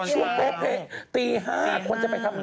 ช่วงเป๊ะตี๕คนจะไปทำงาน